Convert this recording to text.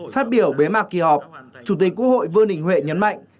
phát biểu bế mạc kỳ họp chủ tịch quốc hội vương đình huệ nhấn mạnh